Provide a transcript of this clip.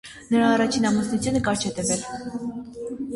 Նրա առաջին ամուսնությունը կարճ է տևել։